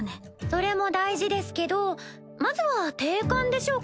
それも大事ですけどまずは定款でしょうか。